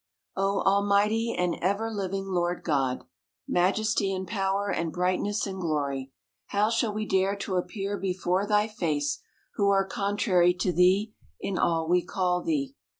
O Almighty and ever living Lord God! Majesty, and Power, and Brightness, and Glory ! How shall we dare to appear before thy face, who are contrary to thee, in all we call thee